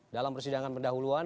dalam persidangan pendahuluan